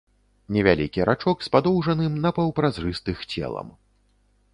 Невялікі рачок з падоўжаным напаўпразрыстых целам.